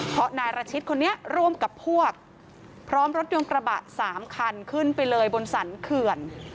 เพราะนายรชิตคนนี้ร่วมกับพวกพร้อมรถยนต์กระบะ๓คันขึ้นไปเลยบนสรรเขื่อน